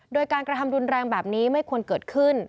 โดยการกระทำรุนแรงแบบนี้ไม่ควรเกิดขึ้น